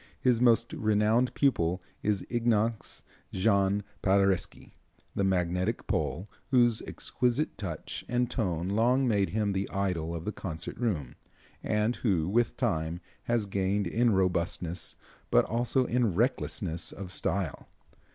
His most renowned pupil is Ignace Jan Paderewski, the magnetic Pole, whose exquisite touch and tone long made him the idol of the concert room, and who, with time, has gained in robustness, but also in recklessness of style.